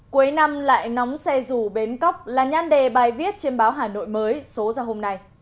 cuối năm lại nóng xe dù bến cóc là nhan đề bài viết trên báo hà nội mới số ra hôm nay